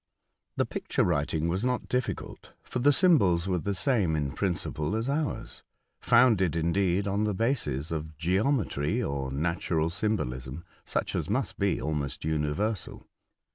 The picture writing was not difficult, for the symbols were the same in principle as ours, founded, indeed, on the bases of geometry, or natural symbolism, such as must be almost universal.